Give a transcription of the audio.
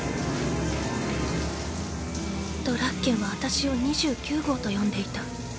ドラッケンは私を「２９号」と呼んでいた